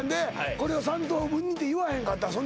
「これを３等分に」って言わへんかったん？